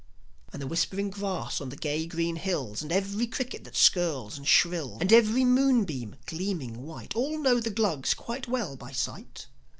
And the whispering grass on the gay green hills And every cricket that skirls and shrills, And every moonbeam, gleaming white, All know the Glugs quite well by sight.